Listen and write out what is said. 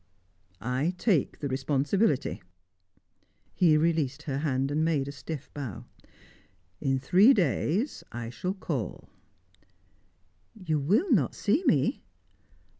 "I take the responsibility." He released her hand, and made a stiff bow. "In three days, I shall call." "You will not see me."